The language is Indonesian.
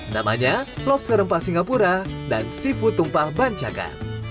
namanya lobster rempah singapura dan seafood tumpah bancakan